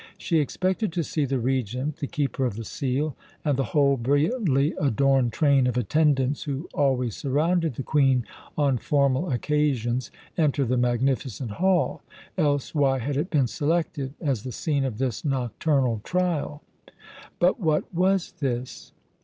She expected to see the Regent, the Keeper of the Seal, and the whole brilliantly adorned train of attendants who always surrounded the Queen on formal occasions, enter the magnificent hall. Else why had it been selected as the scene of this nocturnal trial? But what was this?